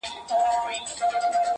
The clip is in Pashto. • هسي نه چي د زمان خزان دي یوسي ,